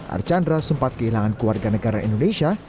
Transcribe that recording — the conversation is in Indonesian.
archandra sempat kehilangan keluarga negara indonesia